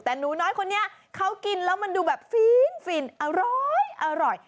แต่หนูน้อยคนนี้เขากินแล้วมันดูแบบฟินอร้อย